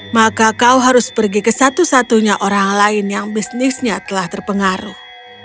maka kau harus pergi ke satu satunya orang lain yang bisnisnya telah terpengaruh